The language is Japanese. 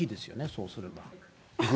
そうすれば。